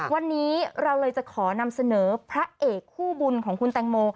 วันนี้เราเลยจะขอนำเสนอพระเอกคู่บุญของคุณแตงโม